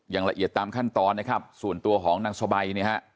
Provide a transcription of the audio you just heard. อย่างละเอียดตามขั้นตอนนะครับส่วนตัวของนางสบายเนี่ยฮะ